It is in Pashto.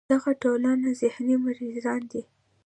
دغه ټول ذهني مريضان دي